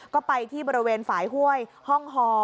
ก็ไปที่บริเวณฝ่ายห้วยห้องฮอ